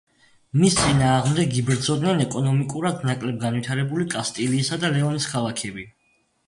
მის წინააღმდეგ იბრძოდნენ ეკონომიკურად ნაკლებ განვითარებული კასტილიისა და ლეონის ქალაქები.